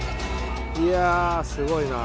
いやぁすごいな。